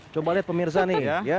coba lihat pemirsa nih